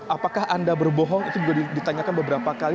apakah anda berbohong itu juga ditanyakan beberapa kali